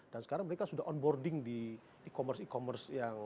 dan sekarang mereka sudah on boarding di e commerce e commerce yang